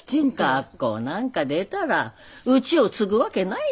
学校なんか出たらうちを継ぐわけないなけな。